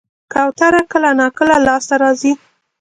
کوتره کله ناکله لاس ته راځي.